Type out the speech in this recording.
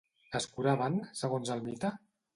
Es curaven, segons el mite?